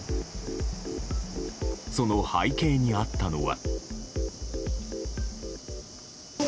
その背景にあったのは。